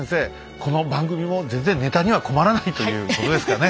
この番組も全然ネタには困らないということですかね。